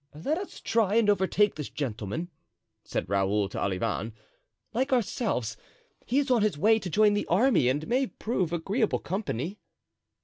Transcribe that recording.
"Let us try and overtake this gentleman," said Raoul to Olivain; "like ourselves he is on his way to join the army and may prove agreeable company."